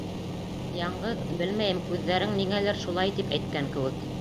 Яңғыҙ, белмәйем, күҙҙәрең ниңәлер шулай тип әйткән кеүек.